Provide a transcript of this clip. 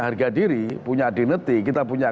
harga diri punya dinneti kita punya